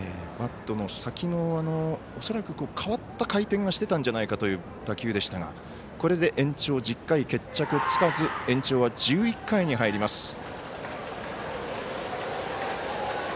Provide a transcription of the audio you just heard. バットの先の恐らく変わった回転がしていたんじゃないかという打球でしたがこれで延長１０回、決着つかず延長は１１回に入ります。